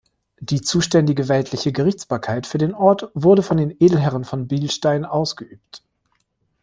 Die zuständige weltliche Gerichtsbarkeit für den Ort wurde von den Edelherren von Bilstein ausgeübt.